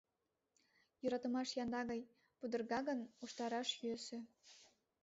Йӧратымаш янда гай, пудырга гын, уштараш йӧсӧ.